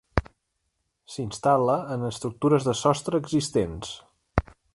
S'instal·la en estructures de sostre existents.